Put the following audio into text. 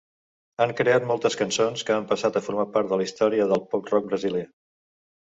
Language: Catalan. Han creat moltes cançons que han passat a formar part de la història del pop-rock brasiler.